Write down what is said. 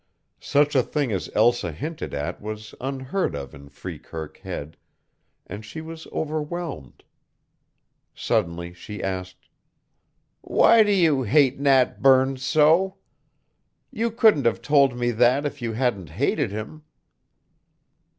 Such a thing as Elsa hinted at was unheard of in Freekirk Head, and she was overwhelmed. Suddenly she asked: "Why do you hate Nat Burns so? You couldn't have told me that if you hadn't hated him."